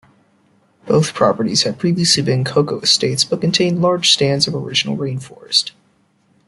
Both properties had previously been cacao estates but contained large stands of original rainforest.